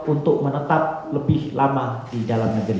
untuk menetap lebih lama di dalam negeri